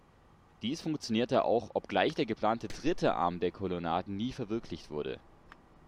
Dies funktionierte auch, obgleich der geplante „Dritte Arm“ der Kolonnaden nie verwirklicht wurde.